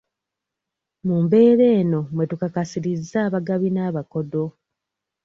Mu mbeera eno mwe tukakasirizza abagabi n'abakodo.